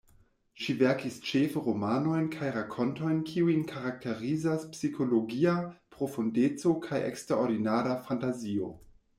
Ŝi verkis ĉefe romanojn kaj rakontojn, kiujn karakterizas psikologia profundeco kaj eksterordinara fantazio.